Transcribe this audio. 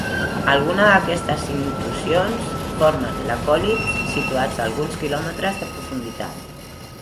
Alguna d'aquestes intrusions formen lacòlits, situats a alguns kilòmetres de profunditat.